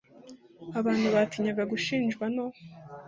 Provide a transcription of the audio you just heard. Abantu batinyaga gushinjwa no